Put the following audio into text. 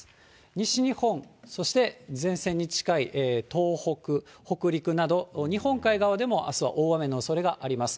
西日本、そして前線に近い東北、北陸など日本海側でもあすは大雨のおそれがあります。